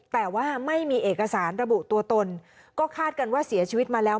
แต่ว่าไม่มีเอกสารระบุตัวตนก็คาดกันว่าเสียชีวิตมาแล้ว